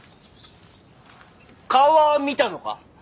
顔は見たのか？